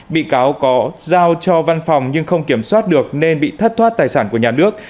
bị cáo có giao cho văn phòng nhưng không kiểm soát được nên bị thất thoát tài sản của nhà nước